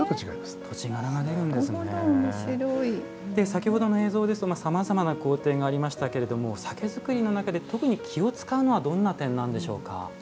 先ほどの映像ですとさまざまな工程がありましたけれども酒造りの中で特に気を遣うのはどんな点なんでしょうか？